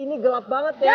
ini gelap banget ya